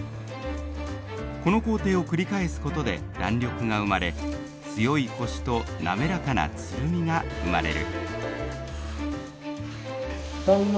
この工程を繰り返すことで弾力が生まれ強いコシと滑らかなつるみが生まれる。